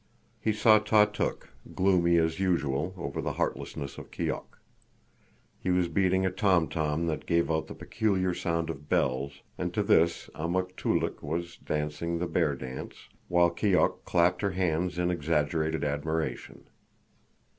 He saw Tautuk, gloomy as usual over the heartlessness of Keok. He was beating a tom tom that gave out the peculiar sound of bells, and to this Amuk Toolik was dancing the Bear Dance, while Keok clapped her hands in exaggerated admiration.